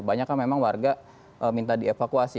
banyak kan memang warga minta dievakuasi